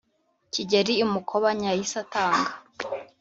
kigeli i mukobanya yahise atanga